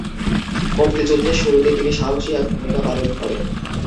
মুক্তিযুদ্ধের শুরুতে তিনি সাহসী এক ভূমিকা পালন করেন।